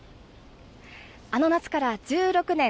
あの夏から１６年。